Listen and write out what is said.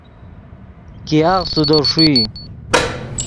ګیاغے سودے ݰوئی